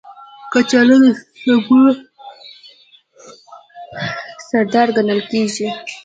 کچالو د سبو سردار ګڼل کېږي